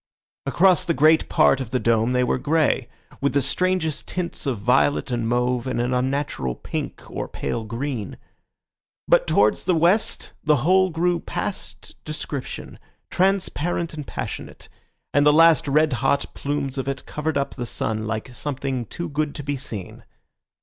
Across the great part of the dome they were grey, with the strangest tints of violet and mauve and an unnatural pink or pale green; but towards the west the whole grew past description, transparent and passionate, and the last red hot plumes of it covered up the sun like something too good to be seen.